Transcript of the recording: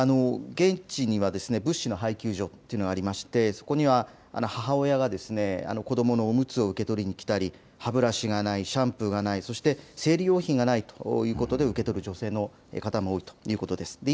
現地には物資の配給所というのがありまして、そこには母親が子どものおむつを受け取りに来たり、歯ブラシがない、シャンプーがない、そして生理用品がないということで受け取る女性の方もいるということです。